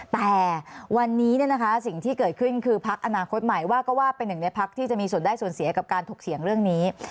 แต่วันนี้สิ่งที่เกิดขึ้นคือพักอนาคตใหม่ว่าก็ว่าเป็นหนึ่งในพักที่จะมีส่วนได้ส่วนเสียกับการถกเถียงเรื่องนี้